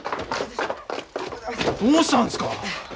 どうしたんですか？